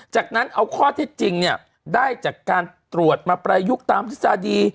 จากนั้นเอาข้อที่จริงเนี่ยได้จากการตรวจมาประยุกต์ตามทฤษฎี